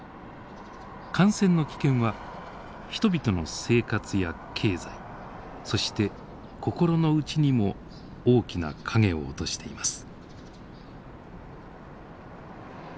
感染の危険は人々の生活や経済そして心の内にも大きな影を落としています。